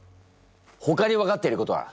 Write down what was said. ほかに分かっていることは？